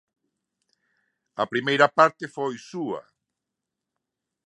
A primeira parte foi súa.